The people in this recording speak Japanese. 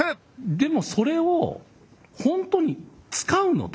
でもそれをほんとに使うのと。